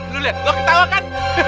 lu lihat gua ketawa kan